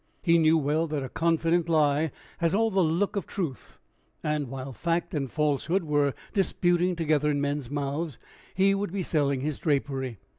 He knew well that a confident lie has all the look of truth, and, while fact and falsehood were disputing together in men's mouths, he would be selling his drapery.